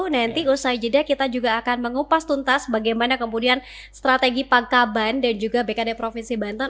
nanti usai jeda kita juga akan mengupas tuntas bagaimana kemudian strategi pak kaban dan juga bkd provinsi banten